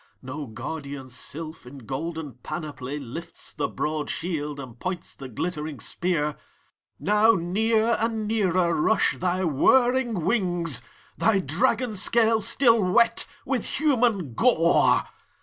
No guardian sylph, in golden panoply, Lifts the broad shield, and points the glittering spear. Now near and nearer rush thy whirring wings, Thy dragon scales still wet with human gore.